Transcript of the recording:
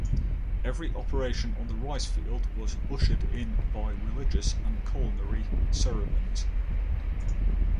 Every operation on the rice field was ushered in by religious and culinary ceremonies.